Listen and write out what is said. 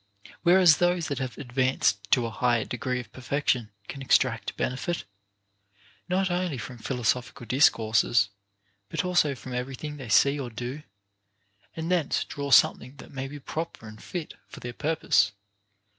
Whereas, those that have advanced 458 OF MAN'S PROGRESS IN VIRTUE. to a higher degree of perfection can extract benefit, not only from philosophical discourses, but also from every thing they see or do, and thence draw something that may be proper and fit for their purpose.